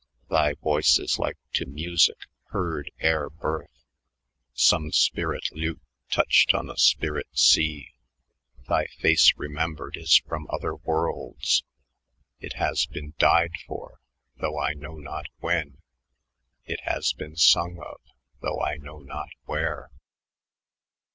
Thy voice is like to music heard ere birth, Some spirit lute touched on a spirit sea; Thy face remembered is from other worlds, It has been died for, though I know not when, It has been sung of, though I know not where.'"